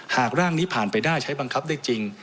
หากร่างนี้ผ่านไปได้ใช้บังคับได้จริง